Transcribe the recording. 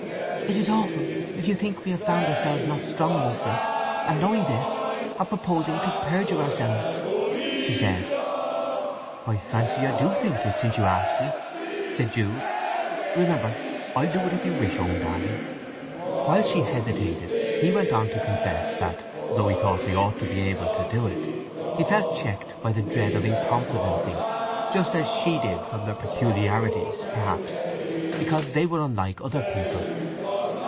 "It is awful if you think we have found ourselves not strong enough for it, and knowing this, are proposing to perjure ourselves," she said. "I fancy I do think it—since you ask me," said Jude. "Remember I'll do it if you wish, own darling." While she hesitated he went on to confess that, though he thought they ought to be able to do it, he felt checked by the dread of incompetency just as she did—from their peculiarities, perhaps, because they were unlike other people.